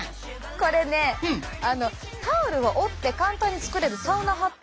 これねタオルを折って簡単に作れるサウナハット！